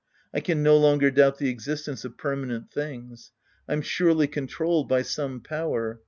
I can no longer doubt the existence of permanent things. I'm surely controlled by some power.